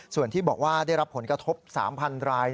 ส่วนที่บอกว่าได้รับผลกระทบ๓๐๐ราย